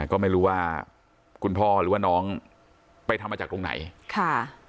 ก็ไม่รู้ว่าคุณพ่อหรือว่าน้องไปทำมาจากตรงไหนค่ะ